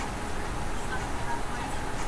زه پرون د لوبو لپاره وخت نيسم وم؟